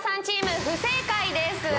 チーム不正解です